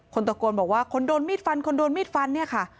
คนตะโกนบอกว่าคนโดนมีดฟันคนโดนมีดฟันเนี่ยค่ะ